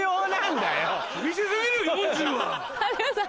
有吉さん